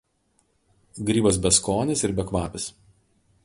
Grybas beskonis ir bekvapis.